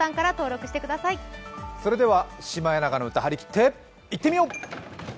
それでは、「シマエナガの歌」張りきっていってみよう。